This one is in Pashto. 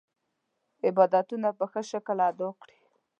عبادتونه په ښه شکل ادا کړي.